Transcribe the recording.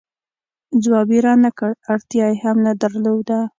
ځواب یې را نه کړ، اړتیا یې هم نه درلوده.